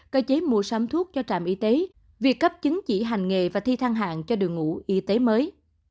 cơ chế mua sắm thuốc cho trạm y tế việc cấp chứng chỉ hành nghề và thi thăng hạng cho đội ngũ y tế mới